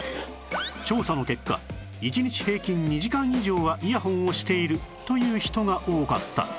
調査の結果１日平均２時間以上はイヤホンをしているという人が多かった